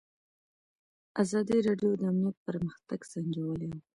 ازادي راډیو د امنیت پرمختګ سنجولی.